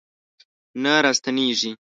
نه راستنیږي